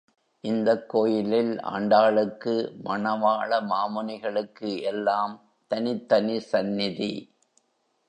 இந்தக் கோயிலில் ஆண்டாளுக்கு, மணவாள மாமுனிகளுக்கு எல்லாம் தனித்தனிச் சந்நிதி.